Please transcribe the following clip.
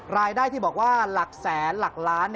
รายได้ที่บอกว่าหลักแสนหลักล้าน